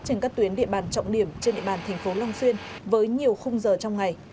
trên các tuyến địa bàn trọng điểm trên địa bàn tp long xuyên với nhiều khung giờ trong ngày